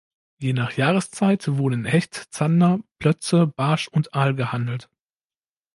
Je nach Jahreszeit wurden Hecht, Zander, Plötze, Barsch und Aal gehandelt.